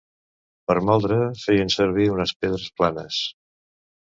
Per moldre feien servir unes pedres planes.